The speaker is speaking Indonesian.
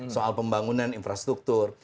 soal pembangunan infrastruktur